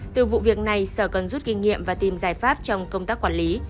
từ vụ việc này sở cần rút kinh nghiệm và tìm giải pháp trong công tác quản lý